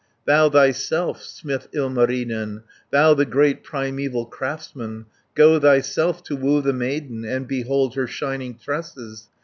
"Thou thyself, smith Ilmarinen, Thou, the great primeval craftsman, Go thyself to woo the maiden, And behold her shining tresses.